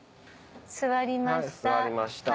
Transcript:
座りました。